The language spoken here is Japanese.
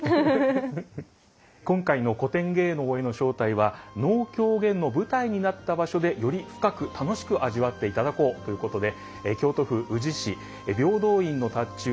今回の「古典芸能への招待」は能狂言の舞台になった場所でより深く楽しく味わっていただこうということで京都府宇治市平等院の塔頭最勝院からお送りしました。